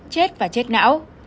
chết và chết não